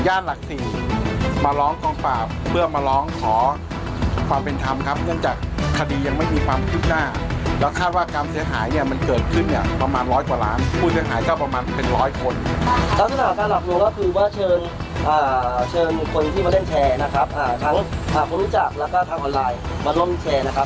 หลักสี่มาร้องกองปราบเพื่อมาร้องขอความเป็นธรรมครับเนื่องจากคดียังไม่มีความคืบหน้าแล้วคาดว่าความเสียหายเนี่ยมันเกิดขึ้นเนี่ยประมาณร้อยกว่าล้านผู้เสียหายก็ประมาณเป็นร้อยคนแล้วสำหรับตัวก็คือว่าเชิญเชิญบุคคลที่มาเล่นแชร์นะครับทั้งคนรู้จักแล้วก็ทางออนไลน์มาร่วมแชร์นะครับ